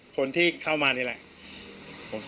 คนที่เข้ามานี่แหละ